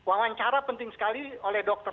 wawancara penting sekali oleh dokter